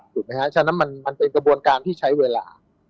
ถูกไหมฮะฉะนั้นมันเป็นกระบวนการที่ใช้เวลา